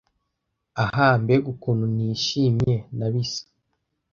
ah mbega ukuntu ntishimye nabisa